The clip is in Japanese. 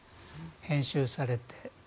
編集されて。